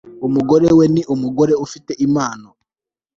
Umugore we ni umugore ufite impano